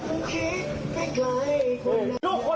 ออกเครื่องแบบมา